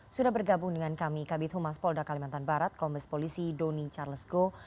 sudah bergabung dengan kami kabit humas polda kalimantan barat kombes polisi doni charles go